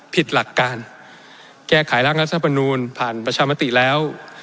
ผิดหลักการแก้ไขร่างรัฐมนูลผ่านประชามติแล้ว